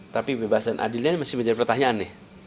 tapi bebas dan adilnya masih menjadi pertanyaan nih